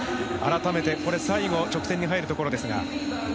最後、直線に入るところですが。